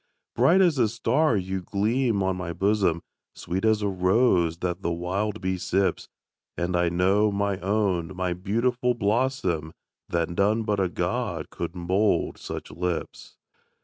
Bright as a star you gleam on my bosom, Sweet as a rose that the wild bee sips; And I know, my own, my beautiful blossom, That none but a God could mould such lips.